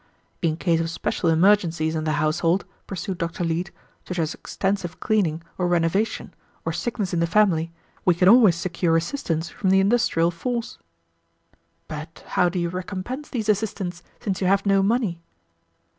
"In case of special emergencies in the household," pursued Dr. Leete, "such as extensive cleaning or renovation, or sickness in the family, we can always secure assistance from the industrial force." "But how do you recompense these assistants, since you have no money?"